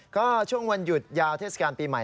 ก็ช่วงวันหยุดยาวเทศกาลปีใหม่